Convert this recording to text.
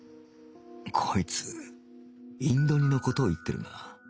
こいつインド煮の事を言ってるな